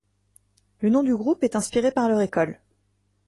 Le nom du groupe est inspiré par leur école.